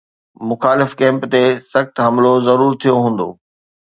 مخالف ڪئمپ تي سخت حملو ضرور ٿيو هوندو.